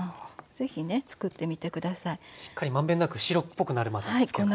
しっかり満遍なく白っぽくなるまでつけますね。